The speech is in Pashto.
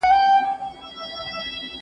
هيچا ته اجازه نسته چي په نورو ملنډي ووهي.